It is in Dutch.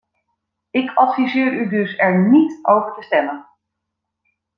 Ik adviseer u dus er niet over te stemmen.